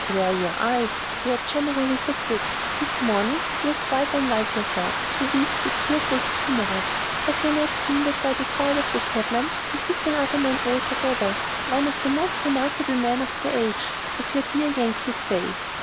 "Where are your eyes? You are generally so quick. This morning you are quite unlike yourself so weak, so tearful, and timorous. Have you not seen that by side of the cabman there sits another man altogether? One of the most remarkable men of the age, as your dear Yankees say."